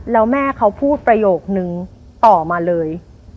แล้วแม่เขาพูดประโยคนึงต่อมาเลย